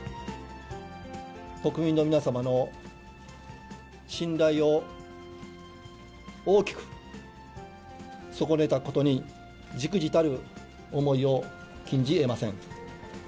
国民の皆様の信頼を大きく損ねたことに、じくじたる思いを禁じえません。